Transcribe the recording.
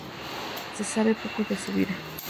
Se sabe poco de su vida.